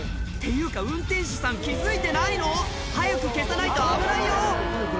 ⁉っていうか運転手さん気付いてないの⁉早く消さないと危ないよ